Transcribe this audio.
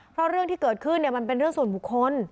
เพราะเรื่องที่เกิดขึ้นมันเป็นเรื่องส่วนบุคคล